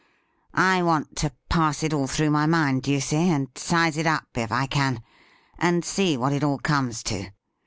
I want to pass it all through my mind, do you see, and size it up, if I can, and see what it all comes to.